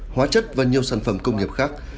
hóa chất và nhiều sản phẩm công nghiệp khác